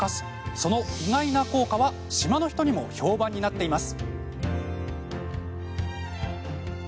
その意外な効果は島の人にも評判になっています。